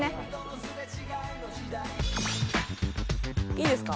いいですか？